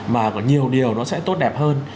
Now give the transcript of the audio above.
mà có nhiều điều nó sẽ tốt đẹp hơn